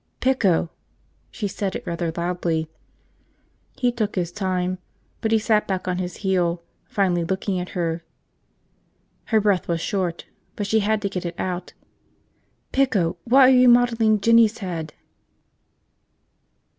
"Pico!" She said it rather loudly. He took his time, but he sat back on his heel, finally looking at her. Her breath was short, but she had to get it out. "Pico, why are you modeling Jinny's head?"